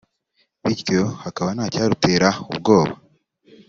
bityo hakaba nta cyarutera ubwoba